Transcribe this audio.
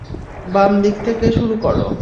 বাম দিক থেকে শুরু কর।